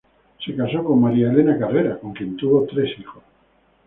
Se casó con María Elena Carrera, con quien tuvo tres hijos.